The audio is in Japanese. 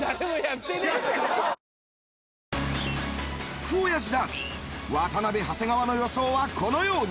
福おやじダービー渡辺長谷川の予想はこのように。